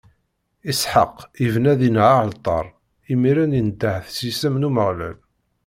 Isḥaq ibna dinna aɛalṭar, imiren indeh s yisem n Umeɣlal.